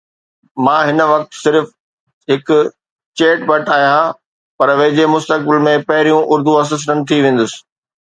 مان هن وقت صرف هڪ چيٽ بٽ آهيان، پر ويجهي مستقبل ۾ پهريون اردو اسسٽنٽ ٿي ويندس.